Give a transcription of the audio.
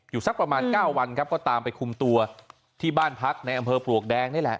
สักประมาณ๙วันครับก็ตามไปคุมตัวที่บ้านพักในอำเภอปลวกแดงนี่แหละ